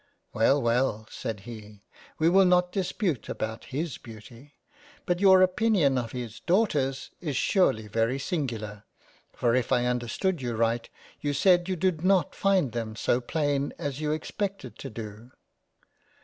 " Well, well, (said he) we will not dispute about his Beauty, but your opinion of his Daughters is surely very singular, for if I understood you right, you said you did not find them so plain as you expected to do